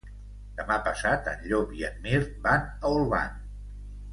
Demà passat en Llop i en Mirt van a Olvan.